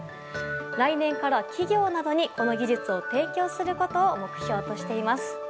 来年から企業などにこの技術を提供することを目標としています。